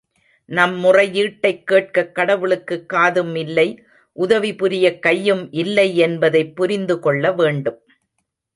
நம் முறையீட்டைக் கேட்கக் கடவுளுக்குக் காதும் இல்லை உதவி புரியக் கையும் இல்லைஎன்பதைப் புரிந்து கொள்ள வேண்டும்.